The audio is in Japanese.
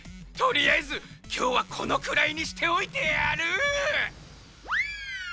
とりあえずきょうはこのくらいにしておいてやる！